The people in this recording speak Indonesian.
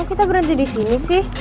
kok kita berhenti disini sih